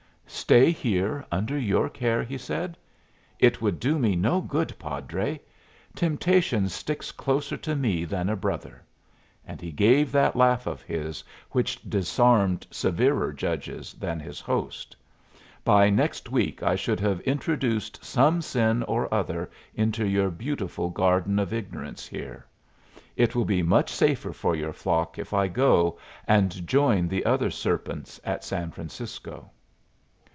"Stay here under your care?" he said. "It would do me no good, padre. Temptation sticks closer to me than a brother!" and he gave that laugh of his which disarmed severer judges than his host. "By next week I should have introduced some sin or other into your beautiful Garden of Ignorance here. It will be much safer for your flock if I go and join the other serpents at San Francisco."